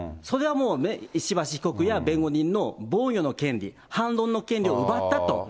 それはもう、石橋被告や弁護人の防御の権利、反論の権利を奪ったと。